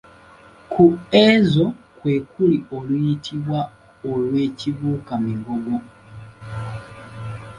Ku ezo kwe kwali oluyitibwa olw'Ekibuuka-migogo.